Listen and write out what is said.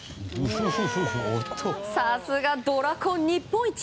さすがドラコン日本一。